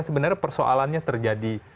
sebenarnya persoalannya terjadi